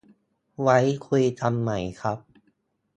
ไว้คุยกันใหม่ครับ